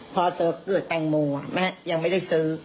พ่อโสเกิดแตงโมอ่ะแม่ยังไม่ได้ซื้อ